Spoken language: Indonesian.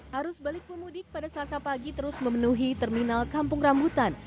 harus balik pemudik pada selasa pagi terus memenuhi terminal kampung rambutan